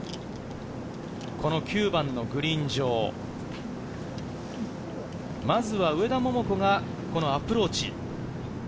この９番のグリーン上、まずは上田桃子がこのアプローチ。